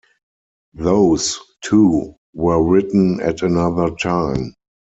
Those, too, were written at another time.